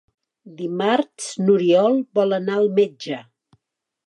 Dimarts n'Oriol vol anar al metge.